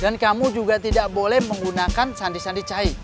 dan kamu juga tidak boleh menggunakan sandi sandi cae